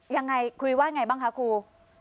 ยังไงคุยว่าไงบ้างคะครู